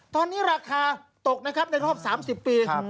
ตอนนี้ราคาตกนะครับในรอบ๓๐ปี